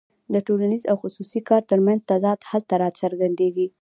د ټولنیز او خصوصي کار ترمنځ تضاد هلته راڅرګندېږي